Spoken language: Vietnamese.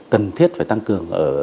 cần thiết phải tăng cường